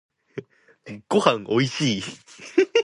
ごはんおいしい